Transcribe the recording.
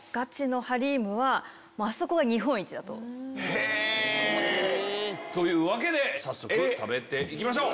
へぇ！というわけで早速食べていきましょう。